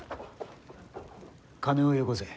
金をよこせ。